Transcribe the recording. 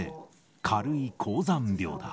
軽い高山病だ。